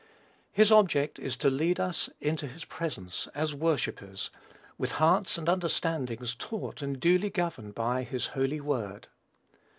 His object is to lead us into his presence, as worshippers, with hearts and understandings taught and duly governed by his Holy Word.